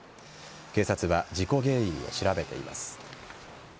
警察は事故原因を調べています。